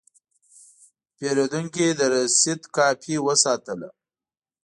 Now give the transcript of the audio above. پیرودونکی د رسید کاپي وساته.